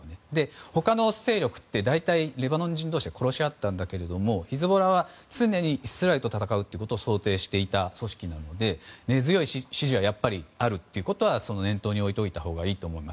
他の勢力って大体レバノン人同士で殺しあったんだけどヒズボラは常にイスラエルと戦うことを想定していた組織なので根強い支持はやっぱりあるということは念頭に置いたほうがいいと思います。